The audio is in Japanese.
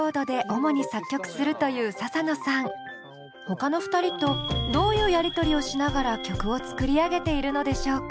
ほかの２人とどういうやり取りをしながら曲を作り上げているのでしょうか？